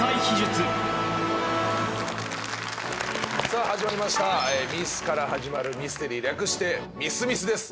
さあ始まりましたミスから始まるミス略してミスミスです